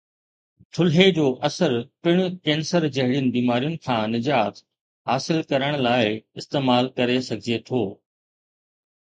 ٿلهي جو اثر پڻ ڪينسر جهڙين بيمارين کان نجات حاصل ڪرڻ لاءِ استعمال ڪري سگهجي ٿو